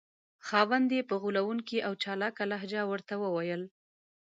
خاوند یې په غولونکې او چالاکه لهجه ورته وویل.